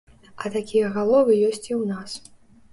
А такія галовы ёсць і ў нас.